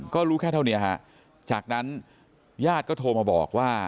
ก็รู้แค่เท่านี้ฮะจากนั้นญาติก็โทรมาบอกว่า